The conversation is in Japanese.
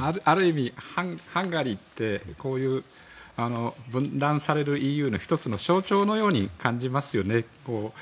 ある意味、ハンガリーって分断されるＥＵの１つの象徴のように感じますよね。